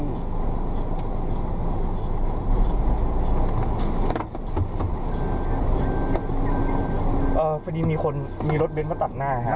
เอ่อพอดีมีคนมีรถเบ้นมาตัดหน้าฮะ